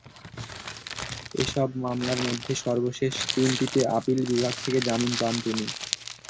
এসব মামলার মধ্যে সর্বশেষ তিনটিতে আপিল বিভাগ থেকে জামিন পান তিনি।